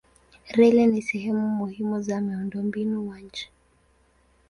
Reli ni sehemu muhimu za miundombinu wa nchi.